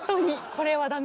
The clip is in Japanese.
これはダメ。